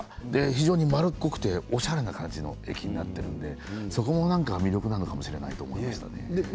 非常に丸っこくておしゃれな感じの駅になっていてそこもなんか魅力なのかもしれないと思いましたね。